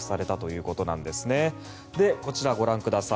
こちら、ご覧ください。